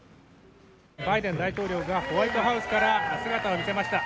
バイデン大統領がホワイトハウスから姿を見せました。